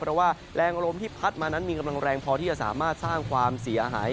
เพราะว่าแรงลมที่พัดมานั้นมีกำลังแรงพอที่จะสามารถสร้างความเสียหาย